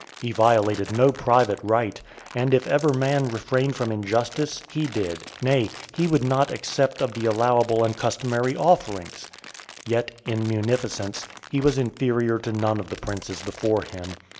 He violated no private right; (470) and if ever man refrained from injustice, he did; nay, he would not accept of the allowable and customary offerings. Yet, in munificence, he was inferior to none of the princes before him.